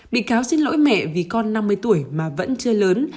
bị cáo xin lỗi mẹ vì con năm mươi tuổi mà vẫn chưa lớn